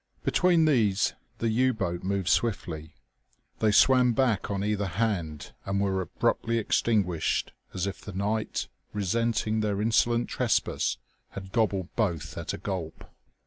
Between these the U boat moved swiftly. They swam back on either hand and were abruptly extinguished as if the night, resenting their insolent trespass, had gobbled both at a gulp.